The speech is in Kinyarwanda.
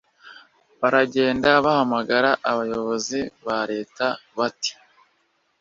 baragenda bahamagara abayobozi ba Leta bati